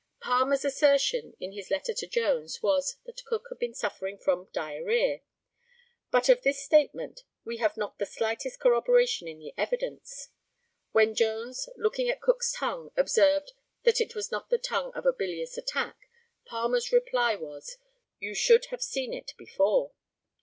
Palmer's assertion, in his letter to Jones, was, that Cook had been suffering from diarrhæa; but of this statement we have not the slightest corroboration in the evidence. When Jones, looking at Cook's tongue, observed that it was not the tongue of a bilious attack, Palmer's reply was, "You should have seen it before."